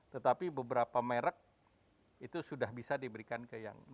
tetapi beberapa merek itu sudah bisa diberikan ke yang lain